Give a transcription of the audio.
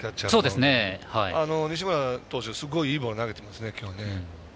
すごいいいボール投げてますね、きょうは。